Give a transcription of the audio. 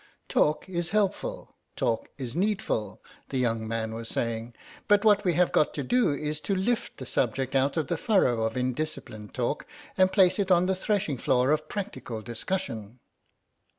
"Talk is helpful, talk is needful," the young man was saying, "but what we have got to do is to lift the subject out of the furrow of indisciplined talk and place it on the threshing floor of practical discussion."